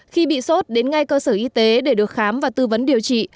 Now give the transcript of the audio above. khi bị sốt đến ngay cơ sở y tế để được khám và tư vấn điều trị